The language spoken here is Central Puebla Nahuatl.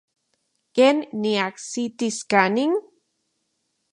¿Ken niajsitis kanin?